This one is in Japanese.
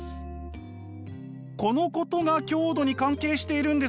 このことが強度に関係しているんですが。